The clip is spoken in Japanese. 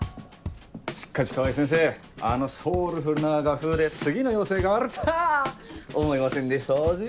しっかし川合先生あのソウルフルな画風で次の要請があるたぁ思いませんでしたぜぇ。